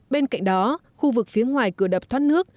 bên cạnh đó khu vực phía ngoài cửa đập thoát nước